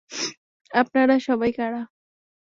আপনারা সবাই কারা?